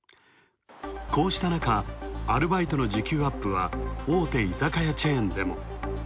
こうしたなか、アルバイトの時給アップは、大手居酒屋チェーンでも。